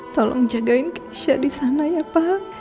tolong jagain keisha disana ya pa